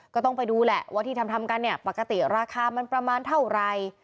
ก็ต้องไปดูแหละว่าที่ทำทำกันเนี่ยปกติราคามันประมาณเท่าไร